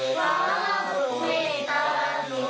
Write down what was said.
สวัสดีครับ